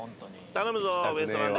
頼むぞウエストランド。